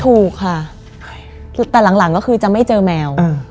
ถูกค่ะแต่หลังก็คือจะไม่เจอแมว